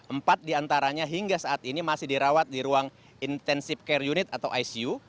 empat diantaranya hingga saat ini masih dirawat di ruang intensive care unit atau icu